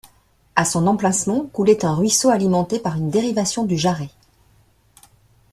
À son emplacement coulait un ruisseau alimenté par une dérivation du Jarret.